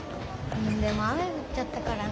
でも雨ふっちゃったからね。